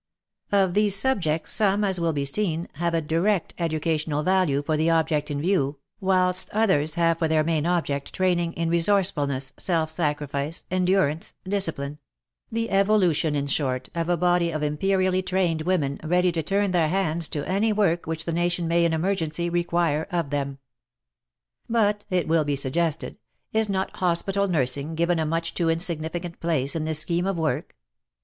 Of these subjects some, as will be seen, have 12 WAR AND WOMEN a direct educational value for the object in view, whilst others have for their main object training in resourcefulness, self sacrifice, en durance, discipline, — the evolution, in short, of a body of imperially trained women ready to turn their hands to any work which the nation may in emergency require of them. But, it will be suggested, is not hospital nursing given a much too insignificant place in this scheme of work